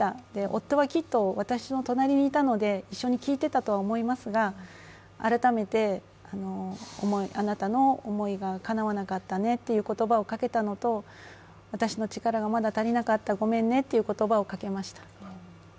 夫はきっと私の隣にいたので一緒に聞いていたとは思いますが改めてあなたの思いがかなわなかったねという言葉をかけたのと私の力がまだ足りなかった、ごめんねという言葉をかけました。